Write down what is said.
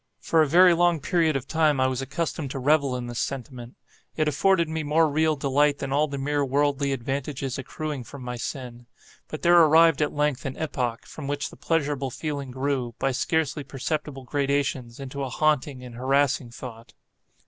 For a very long period of time I was accustomed to revel in this sentiment. It afforded me more real delight than all the mere worldly advantages accruing from my sin. But there arrived at length an epoch, from which the pleasurable feeling grew, by scarcely perceptible gradations, into a haunting and harassing thought.